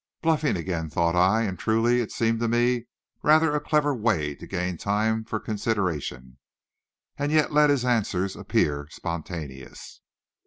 Bluffing again, thought I; and, truly, it seemed to me rather a clever way to gain time for consideration, and yet let his answers appear spontaneous.